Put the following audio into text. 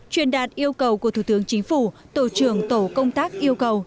truyền đạt yêu cầu của thủ tướng chính phủ tổ trưởng tổ công tác yêu cầu